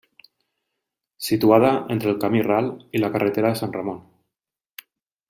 Situada entre el camí Ral i la carretera de Sant Ramon.